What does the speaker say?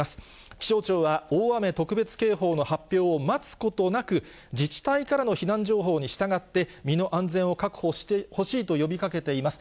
気象庁は大雨特別警報の発表を待つことなく、自治体からの避難情報に従って、身の安全を確保してほしいと呼びかけています。